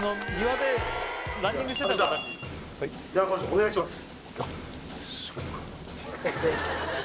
お願いします